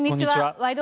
「ワイド！